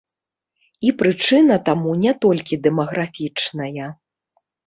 І прычына таму не толькі дэмаграфічная.